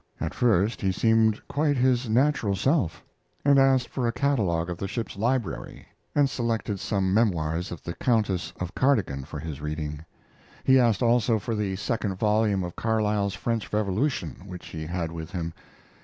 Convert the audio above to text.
At first he seemed quite his natural self, and asked for a catalogue of the ship's library, and selected some memoirs of the Countess of Cardigan for his reading. He asked also for the second volume of Carlyle's French Revolution, which he had with him.